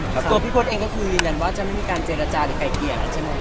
ตัวพี่พลดเองก็คือยินแล้วว่าจะไม่มีการเจรจาหรือใครเกียรติใช่มั้ย